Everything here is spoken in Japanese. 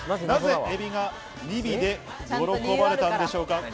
なぜエビが２尾で喜ばれたでしょうか。